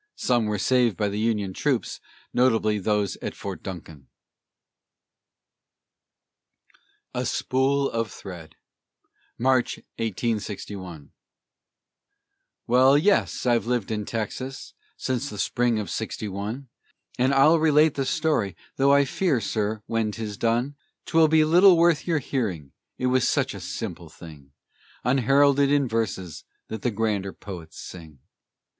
Some were saved by the Union troops, notably those at Fort Duncan. A SPOOL OF THREAD [March, 1861] Well, yes, I've lived in Texas since the spring of '61; And I'll relate the story, though I fear, sir, when 'tis done, 'Twill be little worth your hearing, it was such a simple thing, Unheralded in verses that the grander poets sing.